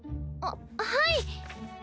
あっはい。